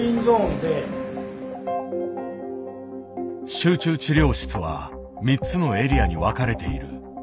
集中治療室は３つのエリアに分かれている。